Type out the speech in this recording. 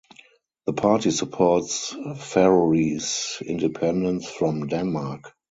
The party supports Faroese independence from Denmark.